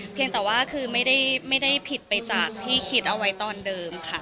เพียงแต่ว่าคือไม่ได้ผิดไปจากที่คิดเอาไว้ตอนเดิมค่ะ